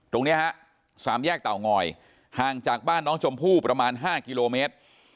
ตรงนี้ฮะสามแยกเตางอยห่างจากบ้านน้องชมพู่ประมาณ๕กิโลเมตร